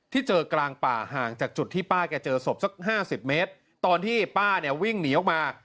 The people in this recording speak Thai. เจอกลางป่าห่างจากจุดที่ป้าแกเจอศพสักห้าสิบเมตรตอนที่ป้าเนี่ยวิ่งหนีออกมา